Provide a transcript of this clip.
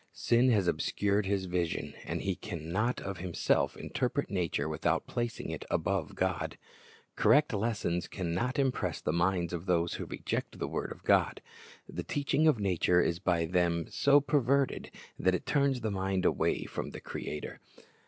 vSin has obscured his vision, and he can not of himself interpret nature without placing it above God. Correct lessons can not impress the minds of those who reject the word of God. The teaching of nature is by them so perverted that it turns the mind away from the Creator.